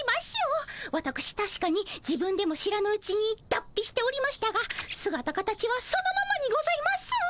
わたくしたしかに自分でも知らぬうちにだっぴしておりましたがすがた形はそのままにございます。